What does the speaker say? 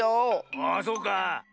あそうかあ。